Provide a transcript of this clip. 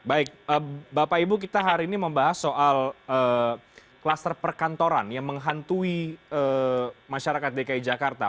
baik bapak ibu kita hari ini membahas soal kluster perkantoran yang menghantui masyarakat dki jakarta